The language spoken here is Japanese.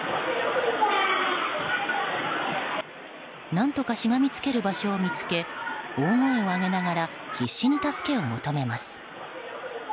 何とかしがみつける場所を見つけ大声を上げながら必死に助けを求めます。